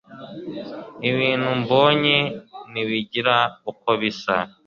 Ibintu mbonye ntibigira uko bisa